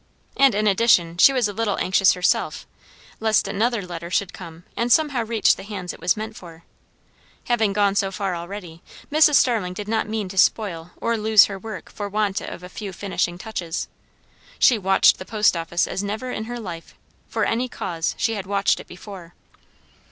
And in addition, she was a little anxious herself, lest another letter should come and somehow reach the hands it was meant for. Having gone so far already, Mrs. Starling did not mean to spoil or lose her work for want of a few finishing touches. She watched the post office as never in her life, for any cause, she had watched it before.